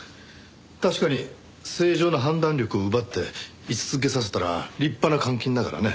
確かに正常な判断力を奪って居続けさせたら立派な監禁だからね。